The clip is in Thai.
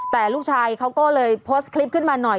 แต่ลูกชายเขาก็เลยโพสต์คลิปขึ้นมาหน่อย